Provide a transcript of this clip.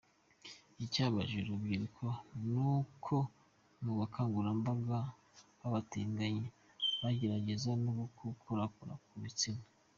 Icyabababaje uru rubyiruko ni uko mu bukangurambaga bw’abatinganyi bagerageza no kurukorakora ku bitsina.